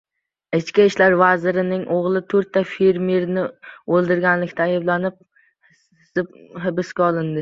Ichki ishlar vazirining o‘g‘li to‘rtta fermerni o‘ldirganlikda ayblanib hibsga olindi